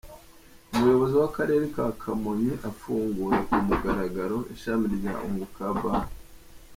Umuyobozi w’akarere ka Kamonyi afungura ku mugaragaro ishami rya "Unguka Bank".